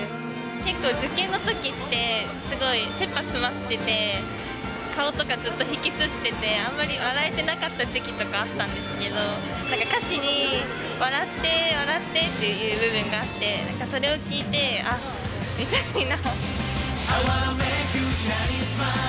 結構、受験のときってすごい、せっぱ詰まってて、顔とかずっと引きつってて、あんまり笑えてなかった時期とかあったんですけど、歌詞に笑って笑ってっていう部分があって、なんかそれを聴いて、あっ、みたいな。